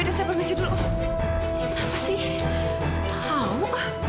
ada saya permisi dulu kenapa sih tahu